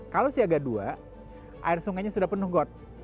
kalau siaga dua air sungainya sudah penuh got